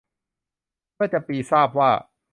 เมื่อจำปีทราบว่า